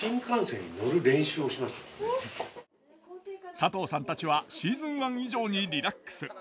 佐藤さんたちはシーズン１以上にリラックス。